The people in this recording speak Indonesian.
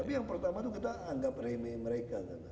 tapi yang pertama itu kita anggap remeh mereka